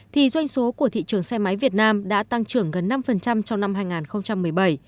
thì doanh số của thị trường xe máy việt nam đã tăng trưởng gần năm trong năm hai nghìn một mươi bảy